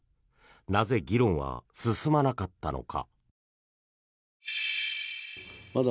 なぜ議論は進まなかったのか。